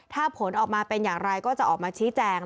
ถ้าผลออกมาเป็นอย่างไรก็จะออกมาชี้แจง